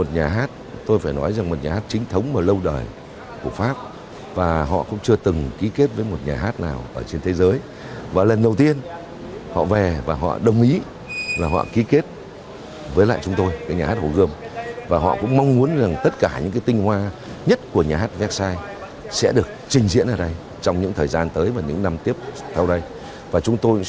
nhà hát opera hoàng gia versailles là một trong những nhà hát opera lớn đẹp nhất của pháp và thế giới